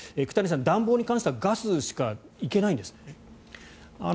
久谷さん、暖房に関してはガスしか行けないんですね。